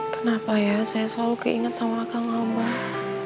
kenapa ya saya selalu keinget sama kang abah